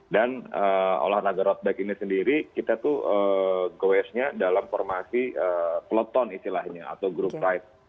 dan olahraga road bike ini sendiri kita tuh go washnya dalam formasi peloton istilahnya atau group ride